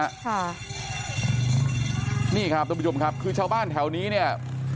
ค่ะนี่ครับทุกผู้ชมครับคือชาวบ้านแถวนี้เนี่ย